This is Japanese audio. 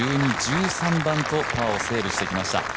１２、１３番とパーをセーブしてきました。